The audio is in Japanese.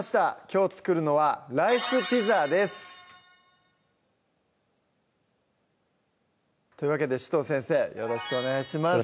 きょう作るのは「ライスピザ」ですというわけで紫藤先生よろしくお願いします